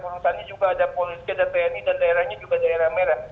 orang orang sana juga ada polri ada tni dan daerahnya juga daerah merah